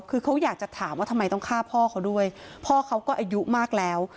คือเขาอยากจะถามว่าทำไมต้องฆ่าพ่อเขาด้วยพ่อเขาก็อายุมากแล้ว